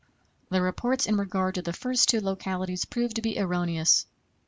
The reports in regard to the first two localities proved to be erroneous.